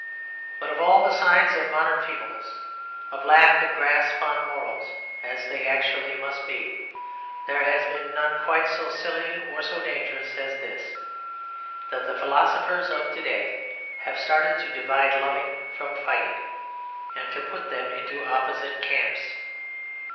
But of all the signs of modern feebleness, of lack of grasp on morals as they actually must be, there has been none quite so silly or so dangerous as this: that the philosophers of to day have started to divide loving from fighting and to put them into opposite camps.